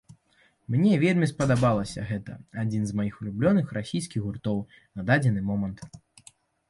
Мне вельмі спадабалася, і гэта адзін з маіх улюбёных расійскіх гуртоў на дадзены момант.